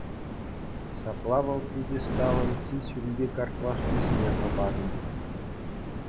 Ҫапла вӑл пьедесталӑн чи ҫӳлти картлашки ҫине хӑпарнӑ.